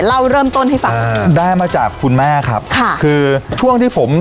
เล่าเริ่มต้นให้ฟังอ่าได้มาจากคุณแม่ครับค่ะคือช่วงที่ผม